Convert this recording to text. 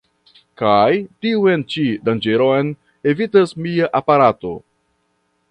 Kaj tiun ĉi danĝeron evitas mia aparato.